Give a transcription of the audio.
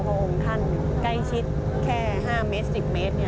พระองค์ท่านใกล้ชิดแค่๕เมตร๑๐เมตร